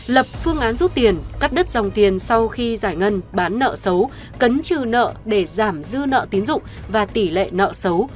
lập phương án rút tiền cắt đứt dòng tiền sau khi giải ngân bán nợ xấu cấn trừ nợ để giảm dư nợ tín dụng và tỷ lệ nợ xấu